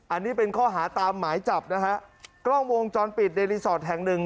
อันนี้เป็นข้อหาตามหมายจับนะฮะกล้องวงจรปิดในรีสอร์ทแห่งหนึ่ง